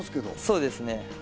そうですね。